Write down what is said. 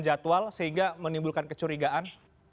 jadwal sehingga menimbulkan kecurigaan